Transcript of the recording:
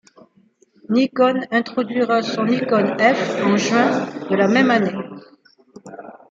Nikon introduira son Nikon F en juin de la même année.